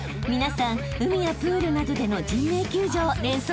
海やプールなどでの人命救助を連想しますよね］